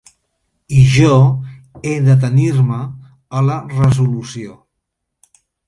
I jo he d’atenir-me a la resolució.